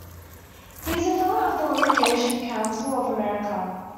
He is a Fellow of the Litigation Counsel of America.